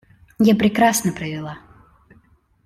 Я прекрасно провела.